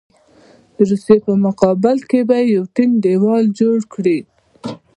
د روسیې په مقابل کې به یو ټینګ دېوال جوړ کړي.